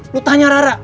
lo tanya rara